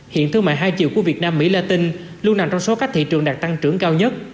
hiện thương mại hai triệu của việt nam mỹ la tinh luôn nằm trong số các thị trường đạt tăng trưởng cao nhất